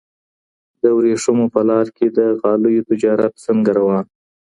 د ورېښمو په لار کي د غالیو تجارت څنګه روان و؟